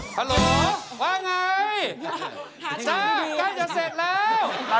ฟงเหมือนพี่ไหมที่แบบว่า